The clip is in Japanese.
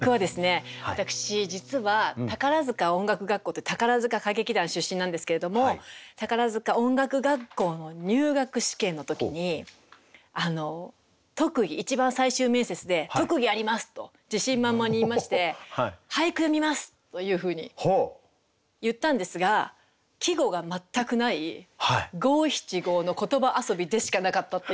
私実は宝塚音楽学校って宝塚歌劇団出身なんですけれども宝塚音楽学校の入学試験の時に特技一番最終面接で「特技あります！」と自信満々に言いまして「俳句詠みます！」というふうに言ったんですが季語が全くない五七五の言葉遊びでしかなかったっていう。